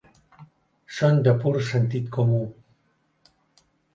Són de pur sentit comú.